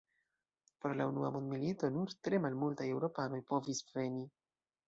Pro la unua mondmilito nur tre malmultaj Eŭropanoj povis veni.